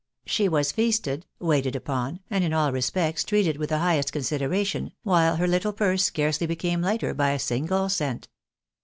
She was feasted, waited upon, and in all respects treated with the highest consideration, while her httle purse scarcely be came lighter by a single cent.